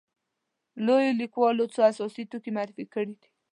لویو لیکوالو څو اساسي توکي معرفي کړي دي.